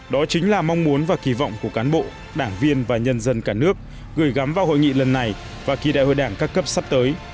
đó chính là mong muốn và kỳ vọng của cán bộ đảng viên và nhân dân cả nước gửi gắm vào hội nghị lần này và kỳ đại hội đảng các cấp sắp tới